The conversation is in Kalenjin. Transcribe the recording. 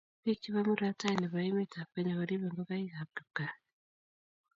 Bik chebo murot tai nebo emetab Kenya koribei ngokaikab kipkaa